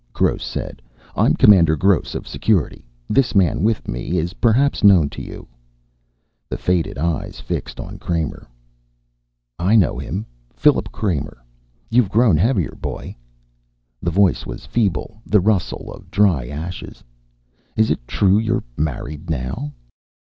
Gross said. "I'm Commander Gross of Security. This man with me is perhaps known to you " The faded eyes fixed on Kramer. "I know him. Philip Kramer.... You've grown heavier, boy." The voice was feeble, the rustle of dry ashes. "Is it true you're married now?"